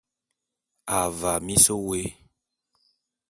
Avaa mis wôé.